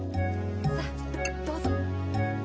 さっどうぞ。